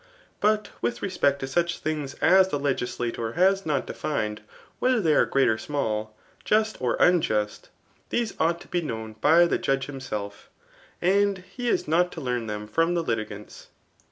But with respect to such things as the legislator has not defined whether they are great or small, just or unjust, these ought to be knowia by the judge hiinself, and he is not to leant than from Ae litigants.